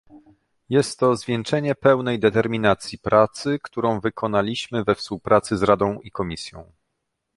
Jest to zwieńczenie pełnej determinacji pracy, którą wykonaliśmy we współpracy z Radą i Komisją